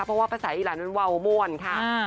เพราะว่าภาษาอีหราศน์มันเว่าหมวนค่ะ